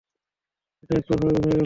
এটা একটু অস্বাভাবিক হয়ে গেল না?